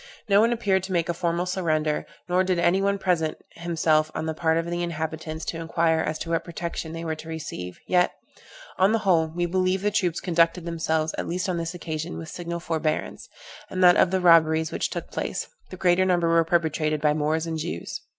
No one appeared to make a formal surrender, nor did any one present himself on the part of the inhabitants, to inquire as to what protection they were to receive, yet, on the whole, we believe the troops conducted themselves, at least on this occasion, with signal forbearance; and that of the robberies which took place, the greater number were perpetrated by Moors and Jews.